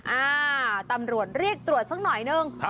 อ่าตำรวจเรียกตรวจสักหน่อยนึง